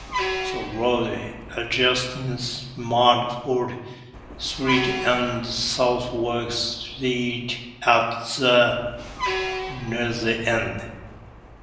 The road adjoins Stamford Street and Southwark Street at the northern end.